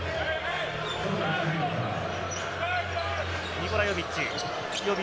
ニコラ・ヨビッチ。